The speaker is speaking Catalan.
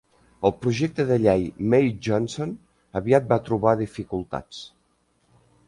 El projecte de llei May-Johnson aviat va trobar dificultats.